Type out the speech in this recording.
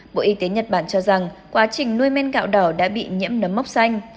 bộ y tế nhật bản cho rằng quá trình nuôi men gạo đỏ đã bị nhiễm nấm mốc xanh